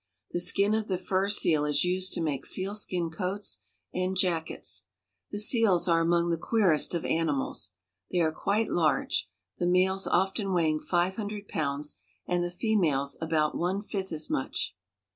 The skin of the fur seal is used to make sealskin coats and jackets. The seals are among the queerest of animals. They are quite large, the males often weighing five hun dred pounds, and the females about one fifth as much.